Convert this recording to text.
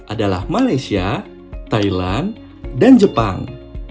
adalah malaysia thailand dan jepang